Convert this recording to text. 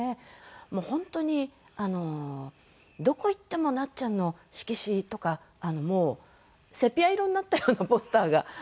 もう本当に「どこ行ってもなっちゃんの色紙とかもうセピア色になったようなポスターがある」